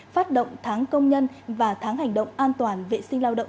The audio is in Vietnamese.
phát động tháng công nhân và tháng hành động an toàn vệ sinh lao động